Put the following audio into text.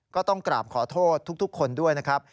ก็ต้องกราบขอโทษทุกคนด้วยนะครับ